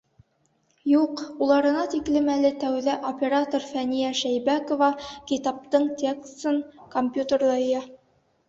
Юҡ, уларына тиклем әле тәүҙә оператор Фәниә Шәйбәкова китаптың тексын компьютерҙа йыя.